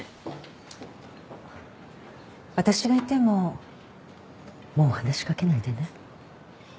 私がいてももう話しかけないでね。